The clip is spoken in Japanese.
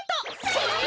それ！